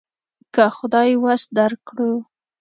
که خدای وس درکړو.